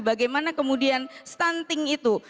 bagaimana kemudian stunting itu